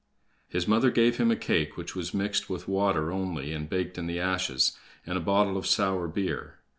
His mother gave him a cake which was mixed with water only and baked in the ashes, and a bottle of sour beer.